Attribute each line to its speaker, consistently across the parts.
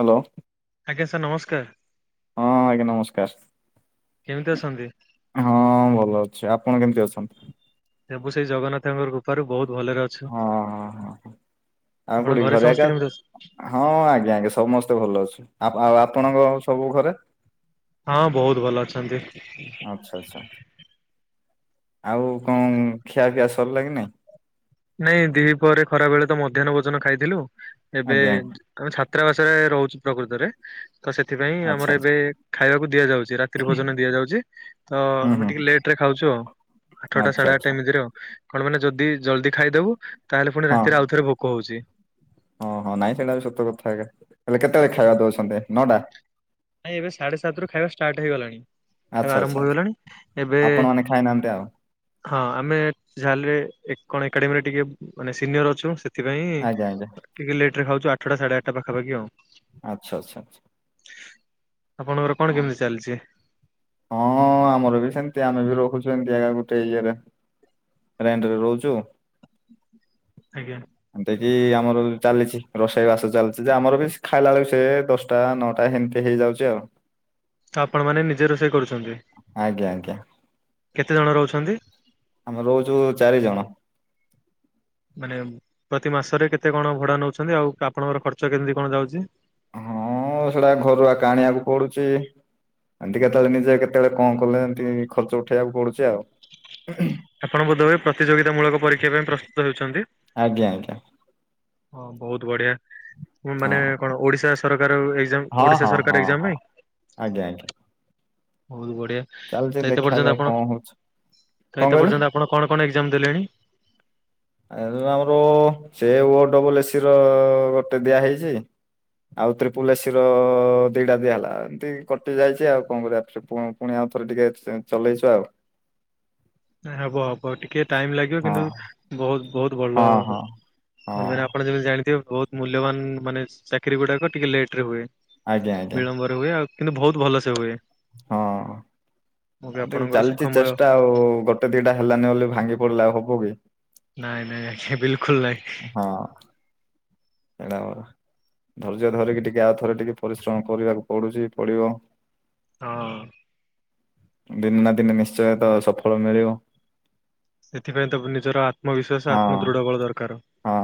Speaker 1: Hello.
Speaker 2: ଆଜ୍ଞା sir ନମସ୍କାର।
Speaker 1: ହଁ ଆଜ୍ଞା
Speaker 2: କେମିତି
Speaker 1: ନମସ୍କାର।
Speaker 2: ଅଛନ୍ତି?
Speaker 1: ହଁ ଭଲ ଅଛି। ଆପଣ କେମିତି ଅଛନ୍ତି?
Speaker 2: ସବୁ ସେଇ ଜଗନ୍ନାଥଙ୍କ କୃପାରୁ ବହୁତ ଭଲରେ ଅ ଛୁ।
Speaker 1: ହଁ ହଁ ହଁ ଆଉ କୋଉଠି
Speaker 2: ଆପଣଙ୍କ ଘରେ
Speaker 1: ଏକା
Speaker 2: ସମସ୍ତେ କେମିତି ଅଛନ୍ତି?
Speaker 1: ହଁ ଆଜ୍ଞା ଆଜ୍ଞା ସମସ୍ତେ ଭଲ ଅଛୁ। ଆଉ ଆପଣଙ୍କ ସବୁ ଘରେ?
Speaker 2: ହଁ ବହୁତ୍ ଭଲ ଅଛନ୍ତି।
Speaker 1: ଆଚ୍ଛା ଆଚ୍ଛା। ଆଉ କଣ ଖିଆ ପିଆ ସରିଲା କି ନାଇଁ?
Speaker 2: ନାଇଁ ଦିହିପରେ ଖରାବେଳେ ତ ମଧ୍ୟାହ୍ନ ଭୋଜନ ଖାଇଥିଲୁ। ଏବେ
Speaker 1: ଆଜ୍ଞା ଆଜ୍ଞା
Speaker 2: ଆମେ ଛାତ୍ରାବାସରେ ରହୁଛୁ ପ୍ରକୃତରେ। ତ ସେଥିପାଇଁ
Speaker 1: ଆଚ୍ଛା
Speaker 2: ଆମର
Speaker 1: ଆଚ୍ଛା
Speaker 2: ଏବେ ଖାଇବାକୁ ଦିଆଯାଉଚି ରା ତ୍ରୀ ଭୋଜନ ଦିଆଯାଉଚି ତ
Speaker 1: ହୁଁ
Speaker 2: ଆମେ
Speaker 1: ହୁଁ
Speaker 2: ଟିକେ ଲେଟ ରେ ଖାଉଚୁ। ଆଉ ଆଠଟା
Speaker 1: ଆଚ୍ଛା
Speaker 2: ସାଢ଼େ ଆଠଟା
Speaker 1: ଆଚ୍ଛା
Speaker 2: ଏମିତିରେ ଆଉ। କଣ ମାନେ ଯଦି ଜଲଦି ଖାଇଦବୁ। ତାହେଲେ ପୁଣି
Speaker 1: ହଁ
Speaker 2: ରାତିରେ ଆଉଥରେ ଭୋକ ହୋଉଚି।
Speaker 1: ହଁ ହଁ ନାଇଁ ସେଇଟା ବି ସତ କଥା ଆକା। ତାହେଲେ କେତେବେଳେ ଖାଇବା ଦଉଛନ୍ତି ନଟା?
Speaker 2: ନାଇଁ ଏବେ ସାଢ଼େ ସାତରୁ ଖାଇବା ଷ୍ଟାର୍ଟ ହେଇଗଲାଣି। ଖାଇବା
Speaker 1: ଆଚ୍ଛା ଆଚ୍ଛା
Speaker 2: ଆରମ୍ଭ
Speaker 1: ଆଚ୍ଛା
Speaker 2: ହେଇଗଲାଣି। ଏବେ
Speaker 1: ଆପଣ ମାନେ ଖାଇନାହାନ୍ତି ଆଉ
Speaker 2: ହଁ ଆମେ ଯାହାଲେ ଏ କଣ ଏକାଡେମୀରେ ଟିକେ ମାନେ ସିନିୟର ଅଛୁ। ସେଥି ଥିପାଇଁ
Speaker 1: ଆଜ୍ଞା ଆଜ୍ଞା
Speaker 2: ଟିକେ ଲେଟ ରେ ଖାଉଚୁ। ଆଠଟା ସାଢେ ଆଠଟା ପାଖାପାଖି ଆଉ।
Speaker 1: ଆଚ୍ଛା ଆଚ୍ଛା ଆଚ୍ଛା।
Speaker 2: ଆପଣଙ୍କର କଣ
Speaker 1: ହଁ।
Speaker 2: କେମିତି ଚାଲିଛି?
Speaker 1: ହଁ ଆମର ବି ସେମିତି ଆମେ ବି ରଖୁଛୁ ଏମତି ଏକା ଗୋଟେ ଇଏରେ। ରେଣ୍ଟ ରେ ରହୁଚୁ।
Speaker 2: ଆଜ୍ଞା।
Speaker 1: ଏମିତି କି ଆମର ଚାଲିଚି ରୋଷେଇ ବାସ ଚାଲିଚି ଯେ ଆମର ବି ଖାଇଲା ବେଳକୁ ସେ ଦଶ ଟା ନଅଟା ହେମିତି ହେଇଯାଉଚି ଆଉ।
Speaker 2: ତ ଆପଣ ମାନେ ନିଜେ ରୋଷେଇ କରୁଚନ୍ତି।
Speaker 1: ଆଜ୍ଞା ଆଜ୍ଞା।
Speaker 2: କେତେଜଣ ରହୁଛନ୍ତି?
Speaker 1: ଆମେ ରହୁଛୁ ଚାରିଜଣ।
Speaker 2: ମାନେ ପ୍ରତି ମାସରେ କେତେ କଣ ଭଡ଼ା ନେଉଛନ୍ତି? ଆଉ ଆପଣଙ୍କର ଖର୍ଚ୍ଚ କେମିତି କଣ ଯାଉଛି?
Speaker 1: ହଁ ସେଇଟା ଘରୁଆକା ଆଣିବାକୁ ପଡୁଛି। ଏମିତି କେତେବେଳେ ନିଜେ କେତେବେଳେ କଣ କଲେ, ଏମିତି ଖର୍ଚ୍ଚ ଉଠେଇବାକୁ ପଡୁଛି ଆଉ ଉ ଉ।
Speaker 2: ଆପଣ ବୋଧହୁଏ ପ୍ରତିଯୋଗିତା ମୂଳକ ପରୀକ୍ଷା ପାଇଁ ପ୍ରସ୍ତୁତ ହେଉଛନ୍ତି?
Speaker 1: ଆଜ୍ଞା ଆଜ୍ଞା।
Speaker 2: ହଁ ବହୁତ ବଢିଆ।
Speaker 1: ହଁ
Speaker 2: ମାନେ କଣ ଓଡିଶା ସରକାର ଏଗ୍ଜାମ୍।
Speaker 1: ହଁ
Speaker 2: ଓଡିଶା
Speaker 1: ହଁ ହଁ
Speaker 2: ସରକାର ଏଗ୍ଜାମ୍
Speaker 1: ହଁ
Speaker 2: ନାହିଁ?
Speaker 1: ଆଜ୍ଞା ଆଜ୍ଞା।
Speaker 2: ବହୁତ ବଢ଼ିଆ
Speaker 1: ଚାଲିଛି
Speaker 2: ତ ଏତେ ପର୍ଯ୍ୟନ୍ତ
Speaker 1: ଦେଖାଯାଉ
Speaker 2: ଆପଣ
Speaker 1: କଣ ହଉଛି
Speaker 2: ତ
Speaker 1: କଣ
Speaker 2: ଏତେ
Speaker 1: କହିଲେ
Speaker 2: ପର୍ଯ୍ୟନ୍ତ ଆପଣ କଣ କଣ ଏଗ୍ଜାମ୍ ଦେଲେଣି?
Speaker 1: ଆଜ୍ଞା ତୋ ଆମର ସେ ଓ ଡବଲ୍ ଏସ୍ ସି ର ଗୋଟେ ଦିଆହେଇଛି। ଆଉ ତ୍ରିପୁଲ ଏସ୍ ସି ର ଦିଟା ଦିଆ ହେଲା। ଏମତି କଟି ଯାଇଛି ଆଉ କଣ କରିବା। ସେ ପୁ ପୁଣି ଆଉ ଥରେ ଟିକେ ଚଲେଇଛୁ ଆଉ।
Speaker 2: ହେବ ହେବ ଟିକେ ଟାଇମ୍ ଲାଗିବ
Speaker 1: ହଁ
Speaker 2: କିନ୍ତୁ ବହୁତ ବହୁତ
Speaker 1: ହଁ
Speaker 2: ଭଲ ହେବ।
Speaker 1: ହଁ
Speaker 2: କଣ ପାଇଁ ନା
Speaker 1: ହଁ
Speaker 2: ଆପଣ ଯେମିତି ଜାଣିଥିବେ ବହୁତ ମୂଲ୍ୟବାନ ମାନେ ଚାକିରୀ ଗୁଡାକ ଟିକେ ଲେଟ ରେ ହୁଏ
Speaker 1: ଆଜ୍ଞା ଆଜ୍ଞା
Speaker 2: ବିଳମ୍ବ ହୁଏ ଆଉ କିନ୍ତୁ ବହୁତ ଭଲ ସେ ହୁଏ।
Speaker 1: ହଁ
Speaker 2: ମୁଁ ବି
Speaker 1: ଆଉ ଟିକେ
Speaker 2: ଆପଣଙ୍କର
Speaker 1: ଚାଲିଛି
Speaker 2: ସୁଖମୟ
Speaker 1: ଚେଷ୍ଟା ଆଉ ଗୋ ଗୋଟେ ଦିଟା ହେଲାନି ବୋଲି ଭାଙ୍ଗି ପଡିଲେ ଆଉ ହବ କି?
Speaker 2: ନାଇଁ ନାଇଁ ଆଜ୍ଞା ବିଲକୁଲ ନାହିଁ।
Speaker 1: ହଁ। ହେଡ଼ା ମୋର ଧୈର୍ଯ୍ୟ ଧରିକି ଟିକେ ଆଉ ଥରେ ଟିକେ ପରିଶ୍ରମ କରିବାକୁ ପଡୁଛି ପଡିବ।
Speaker 2: ହଁ।
Speaker 1: ଦିନେ ନା ଦିନେ ନିଶ୍ଚୟ ତ ସଫଳ ମିଳିବ।
Speaker 2: ସେଥିପାଇଁ ତ ନିଜର ଆତ୍ମବିଶ୍ୱାସ
Speaker 1: ହଁ
Speaker 2: ଆତ୍ମ ଦୃଢ ବଳ ଦରକାର।
Speaker 1: ହଁ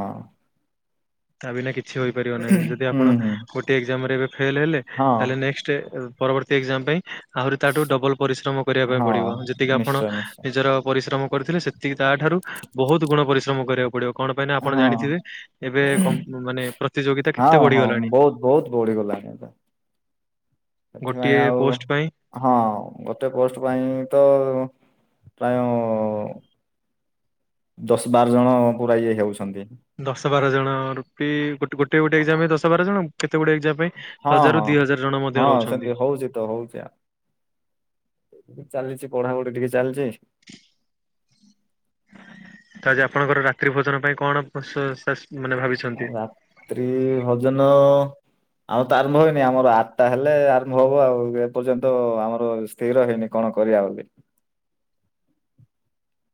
Speaker 2: ତା ବିନା କିଛି ହୋଇପାରିବ ନାହିଁ ଯଦି
Speaker 1: ହୁଁ
Speaker 2: ଆପଣ
Speaker 1: ହୁଁ
Speaker 2: ଗୋଟିଏ ଏକ୍ଜାମ ରେ ଏବେ ଫେଲ ହେଲେ
Speaker 1: ହଁ
Speaker 2: ତାହଲେ ନେକ୍ସ୍ଟ ପରବର୍ତ୍ତୀ ଏକ୍ଜାମ ପାଇଁ ଆହୁରି ତାଠୁ ଡବଲ ପରିଶ୍ରମ କରିବା ପାଇଁ
Speaker 1: ହଁ
Speaker 2: ପଡିବ ଯେତିକି ଆପଣ
Speaker 1: ନିଶ୍ଚୟ ନିଶ୍ଚୟ
Speaker 2: ନିଜର ପରିଶ୍ରମ କରିଥିଲେ ସେତିକି ତା ଠାରୁ ବହୁତ ଗୁଣ ପରିଶ୍ରମ କରିବାକୁ ପଡିବ। କଣ ପାଇଁ ନା ଆପଣ
Speaker 1: ହଁ
Speaker 2: ଜାଣିଥିବେ ଏବେ କମ୍ ମାନେ ପ୍ରତିଯୋଗିତା କେତେ
Speaker 1: ହଁ ହଁ
Speaker 2: ବଢିଗଲାଣି।
Speaker 1: ବହୁତ ବହୁତ ବଢିଗଲାଣି ସେଥିପାଇଁ
Speaker 2: ଗୋଟିଏ
Speaker 1: ଆଉ
Speaker 2: ପୋଷ୍ଟ ପାଇଁ
Speaker 1: ହଁ ଗୋଟେ ପୋଷ୍ଟ ପାଇଁ ତ ପ୍ରାୟ ଦଶ ବାର ଜଣ ପୁରା ଇଏ ହେଉଛନ୍ତି
Speaker 2: ଦଶ ବାର ଜଣ ରୂପି ଗୋ ଗୋଟେ ଗୋଟେ ଏକ୍ଜାମ ପାଇଁ ଦଶ ବାର ଜଣ କେତେ ଗୋଟେ ଏକ୍ଜାମ ପାଇଁ
Speaker 1: ହଁ
Speaker 2: ହଜାରରୁ
Speaker 1: ହଁ
Speaker 2: ଦି ହଜାର ଜଣ ମଧ୍ୟ
Speaker 1: ହଁ
Speaker 2: ରହୁଛନ୍ତି।
Speaker 1: ସେମିତି ହଉଛି ତ ହଉଛି ଆ ଚାଲିଛି ପଢାପଢି ଟିକେ ଚାଲିଛି।
Speaker 2: ତ ଆଜି ଆପଣଙ୍କର ରାତ୍ରି ଭୋଜନ ପାଇଁ କଣ ପ୍ରୋସାସ୍ ମାନେ ଭାବିଛନ୍ତି?
Speaker 1: ତ୍ରି ଭୋଜନ ଆଉ ତ ଆରମ୍ଭ ହେଇନି ଆମର ଆଠଟା ହେଲେ ଆରମ୍ଭ ହବ ଆଉ ଏପର୍ଯ୍ୟନ୍ତ ଆମର ସ୍ଥିର ହେଇନି କଣ କରିବା ବୋଲି।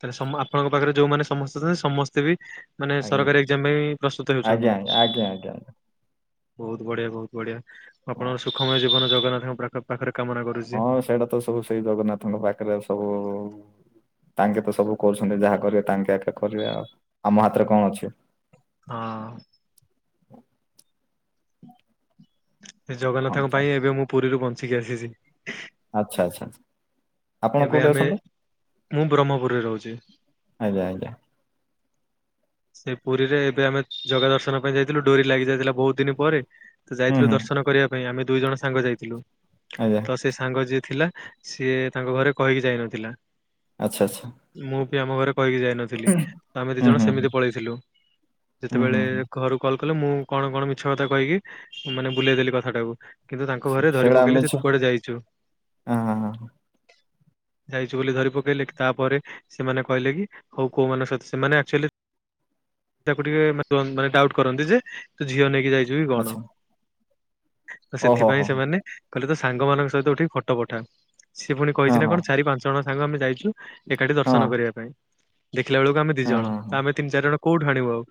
Speaker 2: ତାହେଲେ ସମ ଆପଣଙ୍କ ପାଖରେ ଯୋଉମାନେ ସମସ୍ତେ ଅଛନ୍ତି ସମସ୍ତେ ବି ମାନେ
Speaker 1: ଆଜ୍ଞା
Speaker 2: ସରକାରୀ ଏକ୍ଜାମ ପାଇଁ ପ୍ରସ୍ତୁତ
Speaker 1: ଆଜ୍ଞା
Speaker 2: ହେଉଛନ୍ତି।
Speaker 1: ଆଜ୍ଞା ଆଜ୍ଞା ଆଜ୍ଞା
Speaker 2: ବହୁତ ବଢିଆ ବହୁତ ବଢିଆ
Speaker 1: ହଁ।
Speaker 2: ଆପଣଙ୍କ ସୁଖମୟ ଜୀବନ ଜଗନ୍ନାଥଙ୍କ ପ୍ରାଖ ପାଖରେ କାମନା କରୁ
Speaker 1: ହଁ ସେଇଟା ତ ସବୁ ସେଇ ଜଗନ୍ନାଥଙ୍କ ପାଖରେ ସବୁ ତାଙ୍କେ ତ ସବୁ କରୁଛନ୍ତି ଯାହା କରିବେ ତାଙ୍କେ ଏକା କରିବେ ଆଉ ଆମ ହାତରେ କଣ ଅଛି।
Speaker 2: ହଁ। ସେ ଜଗନ୍ନାଥଙ୍କ
Speaker 1: ଆଚ୍ଛା
Speaker 2: ପାଇଁ ଏବେ ମୁଁ ପୁରୀରୁ ବଞ୍ଚିକି ଆସିଛି।
Speaker 1: ଆଚ୍ଛା ଆଚ୍ଛା ଆଚ୍ଛା। ଆପଣ
Speaker 2: ଏବେ
Speaker 1: କୋଉଠି
Speaker 2: ଆମେ
Speaker 1: ଅଛନ୍ତି
Speaker 2: ମୁଁ ବ୍ରହ୍ମପୁରରେ ରହୁଚି।
Speaker 1: ଆଜ୍ଞା ଆଜ୍ଞା।
Speaker 2: ସେଇ ପୁରୀରେ ଏବେ ଆମେ ଜଗା ଦର୍ଶନ ପାଇଁ ଯାଇଥିଲୁ ଡୋରି ଲାଗି ଯାଇଥିଲା ବୋହୁତ ଦିନ ପରେ। ତ
Speaker 1: ହୁଁ
Speaker 2: ଯାଇଥିଲୁ
Speaker 1: ହୁଁ
Speaker 2: ଦର୍ଶନ କରିବା ପାଇଁ ଆମେ ଦୁଇ ଜଣ ସାଙ୍ଗ ଯାଇଥିଲୁ।
Speaker 1: ଆ ଯାହା
Speaker 2: ତ ସେ ସାଙ୍ଗ ଯିଏ ଥିଲା ସିଏ ତାଙ୍କ ଘରେ କହିକି ଯାଇନଥିଲା।
Speaker 1: ଆଚ୍ଛା ଆଚ୍ଛା।
Speaker 2: ମୁଁ ବି ଆମ ଘରେ କହିକି ଯାଇନଥିଲି ଆମେ ଦିଇ
Speaker 1: ହୁଁ
Speaker 2: ଜଣ
Speaker 1: ହୁଁ
Speaker 2: ସେମିତି ପଳେଇଥିଲୁ।
Speaker 1: ହୁଁ
Speaker 2: ଯେତେବେଳେ
Speaker 1: ହୁଁ ହୁଁ
Speaker 2: ଘରୁ କଲ କଲେ ମୁଁ କଣ କଣ ମିଛ କଥା କହିକି ମାନେ ବୁଲେଇଦେଲି କଥାଟାକୁ। କିନ୍ତୁ ତାଙ୍କ
Speaker 1: ସେ-
Speaker 2: ଘରେ ଧରି
Speaker 1: ସେଇଟା
Speaker 2: ପକେଇଲେ
Speaker 1: ମିଛ
Speaker 2: ଯେ ତୁ କୁଆଡେ ଯାଇଚୁ।
Speaker 1: ହଁ ହଁ ହଁ ହଁ।
Speaker 2: ଯାଇଚୁ ବୋଲି ଧରି ପକେଇଲେ କି ତାପରେ ସେମାନେ କହିଲେ କି ହୋଉ କୋଉମାନଙ୍କ ସହିତ ସେମାନେ ଆକଚୋଲି ତାକୁ ଟିକେ ମାନେ ଦ୍ୱନ୍ ଡାଉଟ୍ କରନ୍ତି ଯେ ତୁ ଝିଅ ନେଇକି ଯାଇଚୁ କି କଣ।
Speaker 1: ଆଚ୍ଛା
Speaker 2: ତ
Speaker 1: ଓହୋ ହୋ
Speaker 2: ସେଥିପାଇଁ
Speaker 1: ହୋ।
Speaker 2: ସେମାନେ କହିଲେ ତୋ ସାଙ୍ଗମାନଙ୍କ ସହିତ ଉଠିକି ଫଟୋ ପଠା। ସିଏ ପୁଣି
Speaker 1: ହଁ
Speaker 2: କହିଚି ନା
Speaker 1: ହଁ
Speaker 2: କଣ ଚାରି ପାଞ୍ଚ ଜଣ ସାଙ୍ଗ ଆମେ ଯାଇଚୁ ଏକାଠି
Speaker 1: ହଁ
Speaker 2: ଦର୍ଶନ କରିବା ପାଇଁ। ଦେଖିଲା ବେଳକୁ ଆମେ ଦି
Speaker 1: ହଁ
Speaker 2: ଜଣ
Speaker 1: ହଁ ହଁ
Speaker 2: ତ ଆମେ ତିନି ଚାରି ଜଣ କୋଉଠୁ ଆଣିବୁ ଆଉ।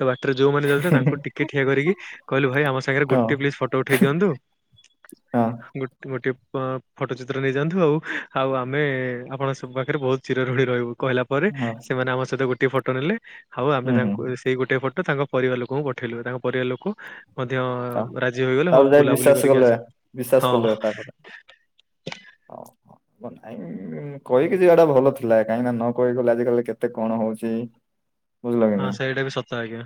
Speaker 2: ତ ବାଟରେ ଯୋଉମାନେ ଯାଉଥିଲେ ତାଙ୍କୁ ଟିକେ ଠିଆ କରିକି କହିଲୁ ଭାଇ ଆମ ସାଙ୍ଗରେ
Speaker 1: ହଁ
Speaker 2: ଗୋଟେ ପ୍ଲିଜ୍ ଫଟୋ ଉଠେଇ ଦିଅନ୍ତୁ।
Speaker 1: ହଁ।
Speaker 2: ଗୋଟ ଗୋଟିଏ ଫ ଫଟୋ ଚିତ୍ର ନେଇଯାଆନ୍ତୁ ଆଉ ଆଉ ଆମେ ଆପଣ ସବୁ ପାଖରେ ବୋହୁତ ଚିରରୁଣି ରହିବୁ କହିଲା ପରେ
Speaker 1: ହଁ
Speaker 2: ସେମାନେ ଆମ ସହିତ ଗୋଟିଏ ଫଟୋ ନେଲେ ଆଉ ଆମେ
Speaker 1: ହୁଁ ହୁଁ
Speaker 2: ତାଙ୍କୁ ଏସ୍ ସେଇ ଗୋଟିଏ ଫଟୋ ତାଙ୍କ ପରିବାର ଲୋକଙ୍କୁ ପଠେଇଲୁ ତାଙ୍କ ପରିବାର ଲୋକ ମଧ୍ୟ
Speaker 1: ହଁ।
Speaker 2: ରାଜି ହୋଇଗଲେ
Speaker 1: ତାପରେ
Speaker 2: ହୋଉ
Speaker 1: ଯାଇ
Speaker 2: ବୁଲାବୁଲି
Speaker 1: ବିଶ୍ଵାସ
Speaker 2: କରିକି
Speaker 1: କଲେ
Speaker 2: ଆସ
Speaker 1: ବିଶ୍ଵାସ
Speaker 2: ହଁ।
Speaker 1: ଓହୋ ଗଲା ଏଇ ହୁଁ କହିକି ଯିବାଟା ଭଲ ଥିଲା କାହିଁକିନା ନ କହିକି ଗଲେ ଆଜି କାଲି କେତେ କଣ ହୋଉଚି।
Speaker 2: ହଁ ସେଇଟା ବି ସତ ଆଜ୍ଞା।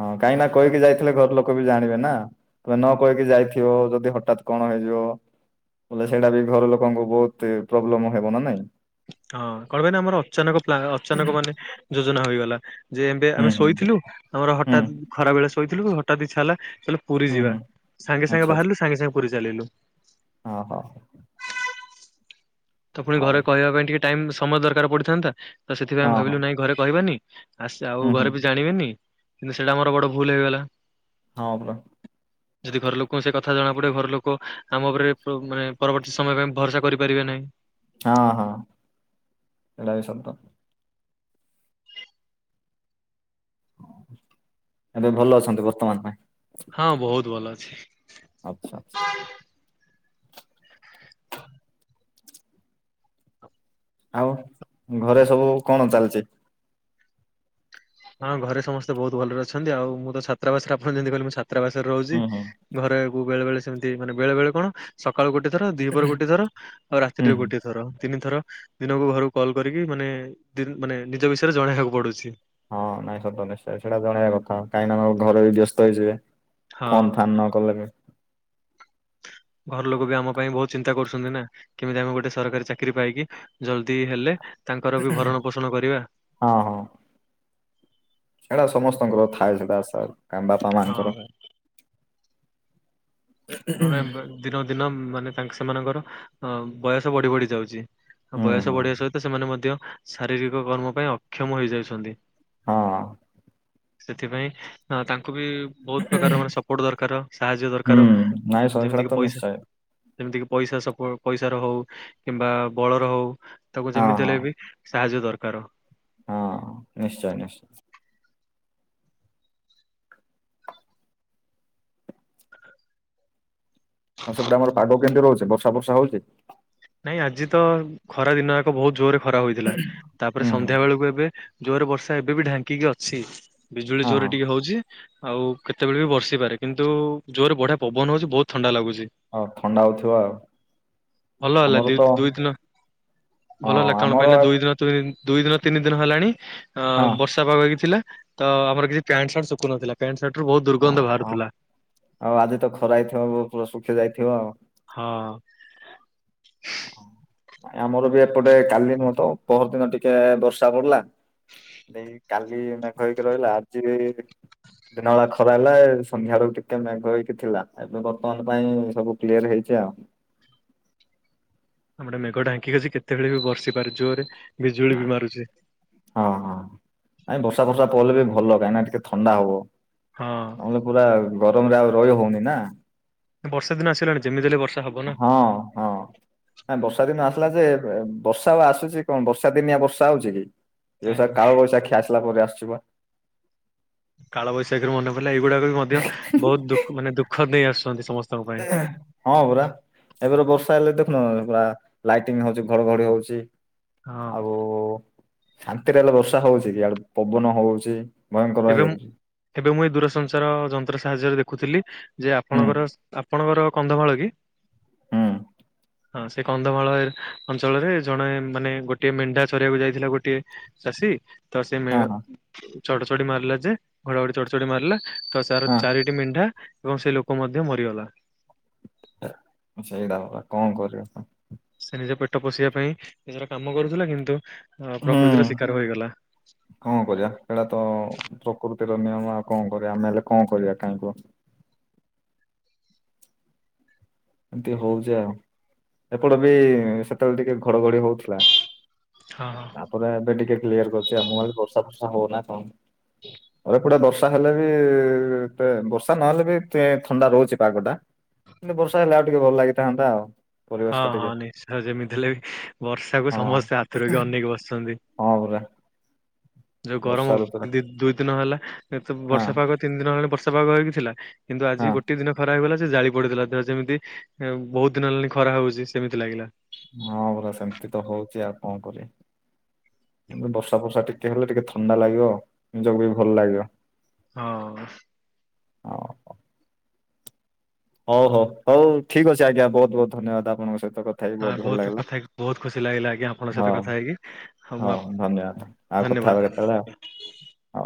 Speaker 1: ହଁ କାହିଁକିନା କହିକି ଯାଇଥିଲେ ଘରଲୋକ ବି ଜାଣିବେ ନା। ତମେ ନ କହିକି ଯାଇଥିବ ଯଦି ହଠାତ କଣ ହେଇଯିବ ବୋଲେ ସେଇଟା ବି ଘରଲୋକଙ୍କୁ ବୋହୁତି ପ୍ରୋବ୍ଲେମ ହେବ ନା ନାଇଁ?
Speaker 2: ହଁ କଣ ପାଇଁ ନା ଆମର ଅଚାନକ ପ୍ଲା ଅଚାନକ ମାନେ ଯୋଜନା ହୋଇଗଲା। ଯେ ଏମତି
Speaker 1: ହୁଁ
Speaker 2: ଆମେ
Speaker 1: ହୁଁ
Speaker 2: ଶୋଇଥିଲୁ ଆମର
Speaker 1: ହୁଁ
Speaker 2: ହଠାତ୍ ଖରାବେଳେ ଶୋଇଥିଲୁ ହଠାତ୍ ଇଚ୍ଛା ହେଲା କହିଲୁ ପୁରୀ
Speaker 1: ହୁଁ
Speaker 2: ଯିବା
Speaker 1: ହୁଁ
Speaker 2: ସାଙ୍ଗେ ସାଙ୍ଗେ ବାହାରିଲୁ ସାଙ୍ଗେ ସାଙ୍ଗେ ପୁରୀ ଚାଲିଲୁ।
Speaker 1: ଅହ ହୋ।
Speaker 2: ତ ଫୁଣି
Speaker 1: ହଁ
Speaker 2: ଘରେ କହିବା ପାଇଁ ଟିକେ ଟାଇମ ସମୟ ଦରକାର ପଡିଥାନ୍ତା ତ ସେଥିପାଇଁ ଆମେ
Speaker 1: ହଉ ହଁ ହଁ
Speaker 2: ଭାବିଲୁ ନାଇଁ ଘରେ କହିବାନି। ଆସେ ଆଉ
Speaker 1: ହୁଁ ହୁଁ
Speaker 2: ଘରେ ବି ଜାଣିବେନି କିନ୍ତୁ ସେଇଟା ମୋର ବଡ ଭୁଲ ହେଇଗଲା।
Speaker 1: ହଁ ପା।
Speaker 2: [inaudible] ଯଦି ଘରଲୋକଙ୍କୁ ସେ କଥା ଜଣା ପଡିବ ଘର ଲୋକ ଆମ ତ ଓପରେ ପ ମାନେ ପରବର୍ତ୍ତୀ ସମୟ ପାଇଁ ଭରସା କରିପାରିବେ ନାହିଁ।
Speaker 1: ହଁ ହଁ ଏଟା ବି ସତ। ଏବେ ଭଲ ଅଛନ୍ତି ବର୍ତ୍ତମାନ ପାଇଁ।
Speaker 2: ହଁ ବୋହୁତ ଭଲ ଅଛି।
Speaker 1: ଆଛା ଆଛା। ଆଉ ଘରେ ସବୁ କଣ ଚାଲଚି?
Speaker 2: ହଁ ଘରେ ସମସ୍ତେ ବୋହୁତ ଭଲରେ ଅଛନ୍ତି ଆଉ ମୁଁ ତ ଛାତ୍ରାବାସରେ ଆପଣ ଯେମିତି କହିଲେ ମୁଁ ଛାତାବାସରେ ରହୁଚି।
Speaker 1: ହୁଁ ହୁଁ
Speaker 2: ଘରେ ବୋଉ ବେଳେ ବେଳେ ସେମିତି ମାନେ ବେଳେ ବେଳେ କଣ ସକାଳୁ ଗୋଟେ ଥର ଦିହପରେ ଗୋଟେ ଥର ଆଉ
Speaker 1: ହୁଁ
Speaker 2: ରାତିରେ
Speaker 1: ହୁଁ।
Speaker 2: ଗୋଟିଏ ଥର ତିନି ଥର ଦିନକୁ ଘରକୁ କଲ୍ କରିକି ମାନେ ଦିନ୍ ମାନେ ନିଜ ବିଷୟରେ ଜଣେଇବାକୁ ପଡୁଚି।
Speaker 1: ହଁ ନାଇଁ ସତ ନିଶ୍ଚୟ ସେଟା ଜଣେଇବା କଥା କାହିଁକିନା ତମ ଘରେ ବି ବ୍ୟସ୍ତ ହେଇଯିବେ।
Speaker 2: ହଁ
Speaker 1: ଫୋନ୍ ଫାନ୍ ନ କଲେ ବି।
Speaker 2: ଘର ଲୋକ ବି ଆମ ପାଇଁ ବୋହୁତ ଚିନ୍ତା କରୁଛନ୍ତି ନା। କେମିତି ଆମେ ଗୋଟେ ସରକାରୀ ଚାକିରି ପାଇକି ଜଲଦି ହେଲେ ତାଙ୍କର ବି ଭରଣ ପୋଷଣ କରିବା।
Speaker 1: ହଁ ହଁ। ସେଟା ସମସ୍ତଙ୍କର ଥାଏ ସେଟା ଆଶା ଆମ ବାପା
Speaker 2: ହଁ
Speaker 1: ମାଆଙ୍କର।
Speaker 2: ମାନେ ଦିନ କୁ ଦିନ ମାନେ ତାଙ୍କ ସେମାନଙ୍କର ଅ ବୟସ ବଢି ବଢି ଯାଉଛି।
Speaker 1: ହୁଁ
Speaker 2: ବୟସ
Speaker 1: ହୁଁ
Speaker 2: ବଢିବା ସହିତ ସେମାନେ ମଧ୍ୟ ଶାରୀରିକ କର୍ମ ପାଇଁ ଅକ୍ଷମ ହେଇଯାଉଛନ୍ତି।
Speaker 1: ହଁ।
Speaker 2: ସେଥିପାଇଁ ତାଙ୍କୁ ବି ବହୁତ ପ୍ରକାର ମାନେ ସପୋର୍ଟ ଦରକାର ସାହାଯ୍ୟ
Speaker 1: ହୁଁ
Speaker 2: ଦରକାର।
Speaker 1: ନାଇଁ ସ ସେଇଟା
Speaker 2: ଯେମିତିକି
Speaker 1: ତ
Speaker 2: ପଇସା।
Speaker 1: ନିଶ୍ଚୟ
Speaker 2: ଯେମିତିକି ପଇସା ସ ପଇସା ର ହଉ କିମ୍ବା ବଳର ହଉ ତାକୁ
Speaker 1: ହଁ
Speaker 2: ଯେମିତି
Speaker 1: ହଁ
Speaker 2: ହେଲେ ବି। ସାହାଯ୍ୟ ଦରକାର।
Speaker 1: ହଁ ନିଶ୍ଚୟ ନିଶ୍ଚୟ। ହଁ ସେପଟେ ଆମର ପାଗ କେମିତି ରହୁଛି ବର୍ଷା ବର୍ଷା ହଉଛି।
Speaker 2: ନାଇଁ ଆଜି ତ ଖରା ଦିନ ଯାକ ବହୁତ ଜୋର ଖରା ହୋଇଥିଲା ତାପରେ
Speaker 1: ହୁଁ ହୁଁ
Speaker 2: ସନ୍ଧ୍ୟା ବେଳକୁ ଏବେ। ଜୋରେ ବର୍ଷା ଏବେ ବି ଢାଙ୍କିକି ଅଛି ବିଜୁଳି
Speaker 1: ହଁ ହଁ
Speaker 2: ଜୋରରେ ଟିକେ ହଉଛି। ଆଉ କେତେବେଳେ ବି ବର୍ଷି ପାରେ କିନ୍ତୁ ଜୋରେ ବଢିଆ ପବନ ହଉଛି ବହୁତ ଥଣ୍ଡା ଲାଗୁଛି।
Speaker 1: ଓ ଥଣ୍ଡା ହଉଥିବ ଆଉ।
Speaker 2: ଭଲ ହେଲା
Speaker 1: ଆମର
Speaker 2: ଦି
Speaker 1: ତ ହଁ
Speaker 2: ଦୁଇ ଦିନ ଭଲ ହେଲା କଣ
Speaker 1: ଆମର
Speaker 2: ପାଇଁ ନା ଦୁଇ ଦିନ। ଦୁଇ ଦିନ ତିନି ଦିନ ହେଲାଣି ଅ
Speaker 1: ହଁ
Speaker 2: ବର୍ଷା। ସଫା କରିକି ଥିଲା ତ ଆମର କିଛି ପ୍ୟାଣ୍ଟ ସାର୍ଟ ଶୁଖୁନଥିଲା ପ୍ୟାଣ୍ଟ ସାର୍ଟରୁ ବହୁତ
Speaker 1: ହଁ
Speaker 2: ଦୁର୍ଗନ୍ଧ
Speaker 1: ହଁ।
Speaker 2: ବାହାରୁଥିଲା।
Speaker 1: ଆଉ ଆଜି ତ ଖରା ହେଇଥିବ ବ ପୁରା ଶୁଖି ଯାଇଥିବ ଆଉ।
Speaker 2: ହଁ।
Speaker 1: ଆମର ବି ଏପଟେ କାଲି ନୁହଁ ତ ପହର ଦିନ ଟିକେ ବର୍ଷା ପଡିଲା। ଦେଇ କାଲି ମେଘ ହେଇକି ରହିଲା ଆଜି ବି। ଦିନ ବେଳା ଖରା ହେଲା ସନ୍ଧ୍ୟା ରୁ ଟିକେ ମେଘ ହେଇକି ଥିଲା ଏବେ ବର୍ତ୍ତମାନ ପାଇଁ ସବୁ। କ୍ଲିୟର ହେଇଛି ଆଉ।
Speaker 2: ଆମଟେ ମେଘ ଢାଙ୍କିକି ଅଛି କେତେବେଳେ ବି ବର୍ଷି ପାରେ ଜୋରେ ବିଜୁଳି ବି ମାରୁଛି।
Speaker 1: ହଁ ହଁ ନାଇ ବର୍ଷା ଫର୍ଷା ପଇଲେ ବି ଭଲ କାଇଁକିନା ଟିକେ ଥଣ୍ଡା ହବ।
Speaker 2: ହଁ।
Speaker 1: ନହେଲେ ପୁରା ଗରମ ରେ ଆଉ ରହି ହଉନି ନା।
Speaker 2: ବର୍ଷ ଦିନ ଆସିଲାଣି ଯେମତିହେଲେ ବର୍ଷା ‌।
Speaker 1: ହଁ ହଁ। ଆ ବର୍ଷା ଦିନ ଆସିଲା ଯେ ବର୍ଷାଆଉ ଆସୁଚି କଣ ବର୍ଷା ଦିନିଆ ବର୍ଷା ହଉଛି କି। ଏ
Speaker 2: ନା।
Speaker 1: ସା କାଳ ବୈଶାଖୀ ଆସିଲା ପରେ ଆସୁଚି ବା।
Speaker 2: କାଳବୈଶାଖୀରୁ ମନେ ପଡିଲା ଏଇଗୁଡାକ ବି ମଧ୍ୟ ବହୁତ ଦୁଖ ମାନେ ଦୁଃଖ ଦେଇ ଆସୁଛନ୍ତି ସମସ୍ତେ।
Speaker 1: ଏ ହେ। ହଁ ପରା ଏବେର ବର୍ଷା ହେଲେ ଦେଖୁନ ପୁରା ଲାଇଟିଙ୍ଗ୍ ହଉଚି ଘଡଘଡି ହଉଚି।
Speaker 2: ହଁ
Speaker 1: ଆଉ ଶାନ୍ତିରେ ହେଲେ ବର୍ଷା ହଉଛିକି ଆଡେ ପବନ ହଉଛି। ଭୟଙ୍କର
Speaker 2: ଏବେ ମୁଁ
Speaker 1: ହେଇଯାଉଛି
Speaker 2: ଏବେ ମୁଁ ଏଇ ଦୂରସଞ୍ଚାର ଯନ୍ତ୍ର ସାହାଯ୍ୟରେ ଦେଖୁଥିଲି ଯେ
Speaker 1: ହୁଁ
Speaker 2: ଆପଣଙ୍କର ଆପ। ଆପଣଙ୍କର କନ୍ଧମାଳ କି।
Speaker 1: ହୁଁ
Speaker 2: ହଁ ସେ କନ୍ଧମାଳ ଏ ଅଞ୍ଚଳରେ ଜଣେ ମାନେ ଗୋଟଏ ମେଣ୍ଢା ଚରିବାକୁ ଯାଇଥିଲା ଗୋଟିଏ। ଚାଷୀ ତ ସେ ମେ
Speaker 1: ହଁ
Speaker 2: ଚଡଚଡି ମାରିଲା ଯେ ଘଡଘଡି ଚଡଚଡି ମାରିଲା। ତ ତାର
Speaker 1: ହଁ
Speaker 2: ଚାରିଟି ମେଣ୍ଢା ଏବଂ ସେ ଲୋକ ମଧ୍ୟ ମରିଗଲା।
Speaker 1: ସେଇଟା ପରା କଣ କରିବ କଣ।
Speaker 2: ସେ ନିଜ ପେଟ ପୋଷିବା ପାଇଁ ନିଜର କାମ କରୁଥିଲା କିନ୍ତୁ
Speaker 1: ହୁଁ
Speaker 2: ପ୍ରକୃତିର ଶିକାର ହୋଇଗଲା।
Speaker 1: କଣ କରିବା ସେଟା ତ। ପ୍ରକୃତିର ନିୟମ ଆଉ କଣ କରିବା ଆମେ ହେଲେ କଣ କରିବା କାଇଁ କୁହ। ଏମିତି ହଉଛି ଆଉ ଏପଟେ ବି ସେତେବେଳେ ଟିକେ ଘଡଘଡି ହଉଥିଲା।
Speaker 2: ହଁଁ ହଁ।
Speaker 1: ତାପରେ ଏବେ ଟିକେ କ୍ଲିୟର କରିଚି ଆମ ଆରେ ବର୍ଷା ଫର୍ଷା ହବନା କଣ ଅଉ ଏପଟେ ବର୍ଷା। ତାହେଲେ ବି ବର୍ଷା ନହେଲେ ବି ଥଣ୍ଡା ରହୁଛି ପାଗଟା ମାନେ ବ। ବର୍ଷା ହେଲେ ଆଉ ଟିକେ ଭଲ ଲାଗିଥାନ୍ତା ଆଉ। ପରିବେଶ
Speaker 2: ହଁ
Speaker 1: ଟା
Speaker 2: ହଁ
Speaker 1: ଟିକେ
Speaker 2: ନିଶ୍ଚୟ ଯେମିତି ହେଲେ ବି ବର୍ଷାକୁ
Speaker 1: ହଁ
Speaker 2: ସମସ୍ତେ ଆତୁରେଇକି ଅନେଇକି ବସିଚନ୍ତି।
Speaker 1: ହଁ ପରା।
Speaker 2: ଯୋଉ ଗରମ ହୋଉ ଦି ଦୁଇ ଦିନ ହେଲା ଏ ତ
Speaker 1: ହଁ
Speaker 2: ବର୍ଷା ପାଗ ତିନି ଦିନ ହେଲାଣି ବର୍ଷା ପାଗ ହେଇକି ଥିଲା। କିନ୍ତୁ
Speaker 1: ହଁ
Speaker 2: ଆଜି ଗୋଟିଏ ଦିନ ଖରା ହେଇଗଲା ଜେ ଜାଳି ପୋଡି ଦେଲା ଦେହ ଯେମିତି ଏଁ ବହୁତ ଦିନ ହେଲାଣି ଖରା ହେଉଚି ସେମିତି ଲାଗିଲା।
Speaker 1: ହଁ ପରା ସେମିତି ତ ହଉଚି ଆଉ କଣ କରିଆ ବର୍ଷା ଫର୍ଷା ଟିକେ ନ୍ତି ହେଲେ ଟିକେ ଥଣ୍ଡା ଲାଗିବ ନିଜକୁ ବି ଭଲ ଲାଗିବ।
Speaker 2: ହଁ।
Speaker 1: ହଁ। ହଉ ହଉ ହଉ ଠିକ ଅଛି ଆଜ୍ଞା ବହୁତ ବହୁତ ଧନ୍ୟବାଦ ଆପଣଙ୍କ ସହିତ କଥ ଥା ହେଇକି
Speaker 2: ହଁ
Speaker 1: ବହୁତ ଭଲ ଲାଗିଲା
Speaker 2: କଥା ହେଇକି ବହୁତ ଖୁସି ଲାଗିଲା ଆଜ୍ଞା ଆପଣଙ୍କ ସହିତ
Speaker 1: ହଁ
Speaker 2: କଥା ହେଇକି। ମୁଁ
Speaker 1: ହଁ
Speaker 2: ଆପ-
Speaker 1: ଧନ୍ୟବାଦ। ଆଉ କଥା
Speaker 2: ଧନ୍ୟବାଦ
Speaker 1: ହେବା
Speaker 2: ଧନ୍ୟବାଦ ଆଜ୍ଞା।
Speaker 1: କେତେବେଳେ ଆଉ। ହଉ।